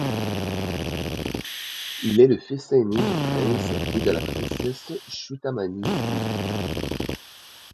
Il est le fils aîné du prince et de la princesse Chutamani But.